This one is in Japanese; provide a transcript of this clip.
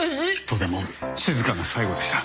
とても静かな最期でした。